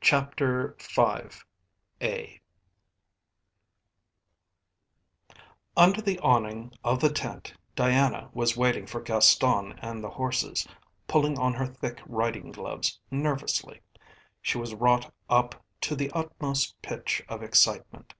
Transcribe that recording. CHAPTER V Under the awning of the tent Diana was waiting for Gaston and the horses, pulling on her thick riding gloves nervously. She was wrought up to the utmost pitch of excitement.